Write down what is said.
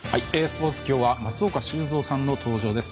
スポーツ今日は松岡修造さんの登場です。